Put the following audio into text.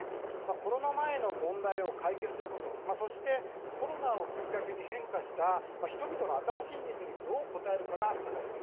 コロナ前の問題を解決すること、そしてコロナをきっかけに変化した人々の新しいニーズにどう応えるかが課題です。